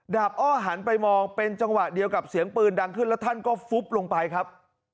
บอลอ้อหันไปมองเป็นจังหวะเดียวกับเสียงปืนดังขึ้นแล้วท่านก็ฟุบลงไปครับ